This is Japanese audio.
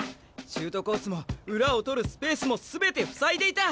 シュートコースも裏を取るスペースも全て塞いでいた。